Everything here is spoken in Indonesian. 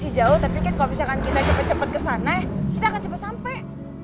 masih jauh tapi kan kalau misalkan kita cepet cepet ke sana kita akan cepat sampai